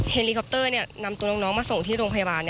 เฮลิคอปเตอร์นำตัวน้องมาส่งที่โรงพยาบาล